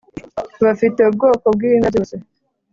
bafite ubwoko bw’ ibimera byose